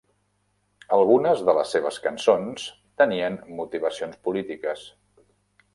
Algunes de les seves cançons tenen motivacions polítiques.